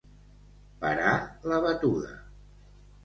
Parar la batuda.